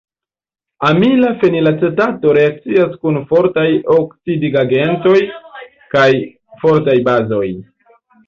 Amila fenilacetato reakcias kun fortaj oksidigagentoj kaj fortaj bazoj.